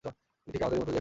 ঠিক আমাদেরই মতো, জ্যাকব!